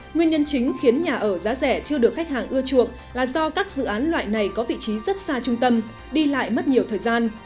nguyên nhân chính khiến nhà ở giá rẻ chưa được khách hàng ưa chuộng là do các dự án loại này có vị trí rất xa trung tâm đi lại mất nhiều thời gian